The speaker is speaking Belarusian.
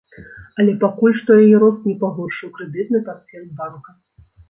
Але пакуль што яе рост не пагоршыў крэдытны партфель банка.